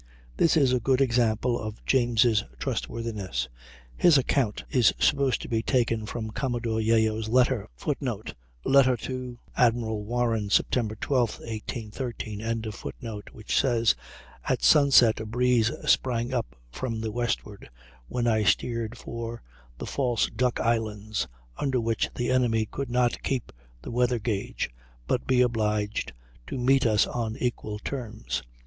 This is a good sample of James' trustworthiness; his account is supposed to be taken from Commodore Yeo's letter, [Footnote: Letter to Admiral Warren, Sept. 12. 1813.] which says: "At sunset a breeze sprang up from the westward, when I steered for the False Duck Islands, under which the enemy could not keep the weather gage, but be obliged to meet us on equal terms.